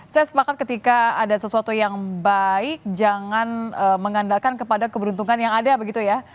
saya sepakat ketika ada sesuatu yang baik jangan mengandalkan kepada keberuntungan yang ada begitu ya